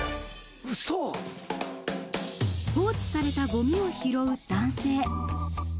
放置されたゴミを拾う男性